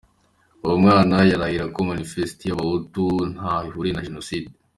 Uwo mwana yarahira ko manifesiti y’abahutu ntaho ihuriye na jenoside.